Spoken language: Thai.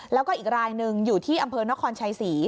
แล้วก็อีกรายหนึ่งอยู่ที่อำเภอนครชัยศรี